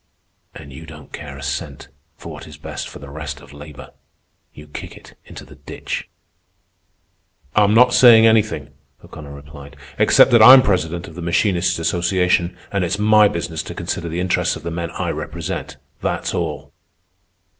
"And you don't care a cent for what is best for the rest of labor. You kick it into the ditch." "I'm not saying anything," O'Connor replied, "except that I'm president of the Machinists' Association, and it's my business to consider the interests of the men I represent, that's all."